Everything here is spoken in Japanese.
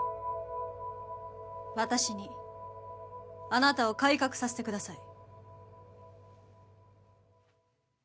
私にあなたを改革させてください